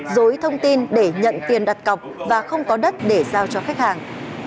dối thông tin để nhận tiền đặt cọc và không có đất để giao cho khách hàng